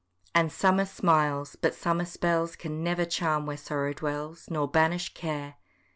And summer smiles, but summer spells Can never charm where sorrow dwells, Nor banish care.